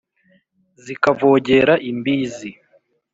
Zikavogera imbizi